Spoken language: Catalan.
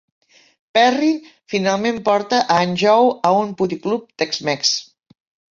Perry finalment porta a en Joe a un puticlub Tex-Mex.